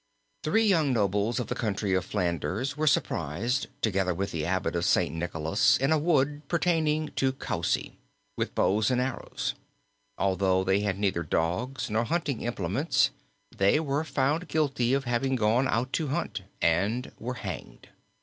"Three young nobles of the county of Flanders were surprised, together with the abbot of St. Nicholas, in a wood pertaining to Coucy, with bows and arrows. Although they had neither dogs nor hunting implements, they were found guilty of having gone out to hunt and were hanged.